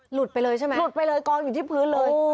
หลุดไปเลยใช่ไหมหลุดไปเลยกองอยู่ที่พื้นเลย